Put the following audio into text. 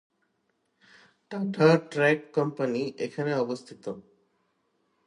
Tata truck company এখানে অবস্থিত।